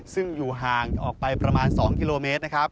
ซึ่งอยู่ห่างออกไปประมาณ๒กิโลเมตรนะครับ